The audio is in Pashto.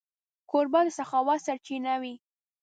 کوربه د سخاوت سرچینه وي.